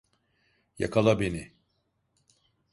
Yakala beni!